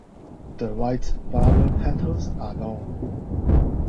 The white flower petals are long.